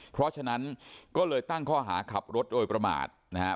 เพราะฉะนั้นก็เลยตั้งข้อหาขับรถโดยประมาทนะครับ